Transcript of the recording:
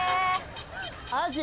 アジ。